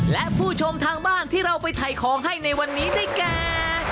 และผู้ชมทางบ้านที่เราไปถ่ายของให้ในวันนี้ได้แก่